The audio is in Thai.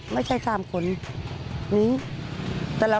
มันกลัวเอิญอย่างนี้นะครับ